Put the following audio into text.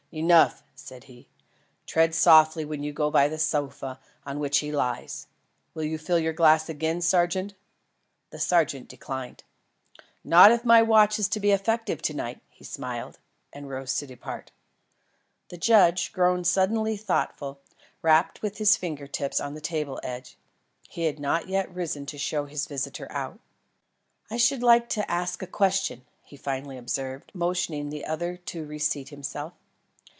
"Enough," said he; "tread softly when you go by the sofa on which he lies. Will you fill your glass again, sergeant?" The sergeant declined. "Not if my watch is to be effective to night," he smiled, and rose to depart. The judge, grown suddenly thoughtful, rapped with his finger tips on the table edge. He had not yet risen to show his visitor out. "I should like to ask a question," he finally observed, motioning the other to re seat himself.